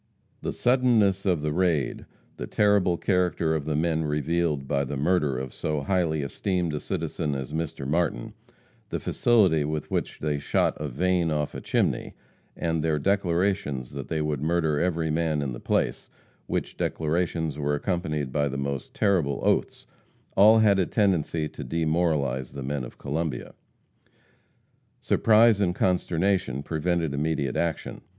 The suddenness of the raid; the terrible character of the men revealed by the murder of so highly esteemed a citizen as Mr. Martin; the facility with which they shot a vane off a chimney, and their declarations that they would murder every man in the place, which declarations were accompanied by the most terrible oaths, all had a tendency to demoralize the men of Columbia. Surprise and consternation prevented immediate action.